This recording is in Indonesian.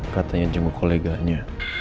katanya jenguk koleganya